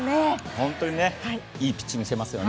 本当にいいピッチングしていますよね。